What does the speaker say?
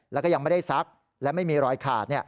แล้วก็ยังไม่ได้ซักและไม่มีรอยขาด